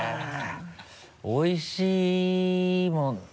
おいしいもの。